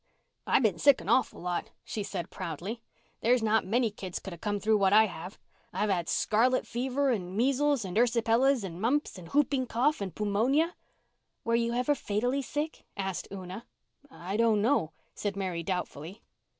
"I've been sick an awful lot," she said proudly. "There's not many kids could have come through what I have. I've had scarlet fever and measles and ersipelas and mumps and whooping cough and pewmonia." "Were you ever fatally sick?" asked Una. "I don't know," said Mary doubtfully.